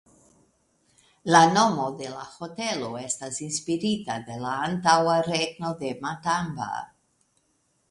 La nomo de la hotelo estas inspirita de la antaŭa regno de Matamba.